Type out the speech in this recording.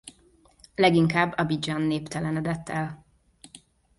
Leginkább Abidjan néptelenedett el.